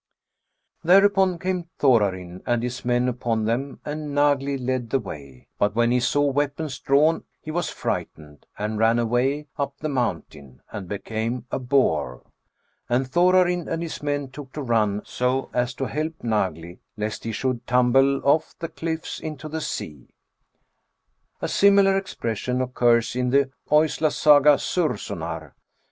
" Thereupon came Thorarinn and his men upon them, and Nagli led the way ; but when he saw weapons drawn he was frightened, and ran away up the mountain, and became a boar. ... And Thorarinn and his men took to run, so as to help Nagli, lest he should tumble ofif the cliflfs into the sea" (Eyrbyggja Saga, c. xviii.) A similar expression occurs in the Oisla Saga Surssonar, p.